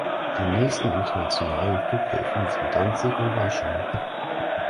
Die nächsten internationalen Flughäfen sind Danzig und Warschau.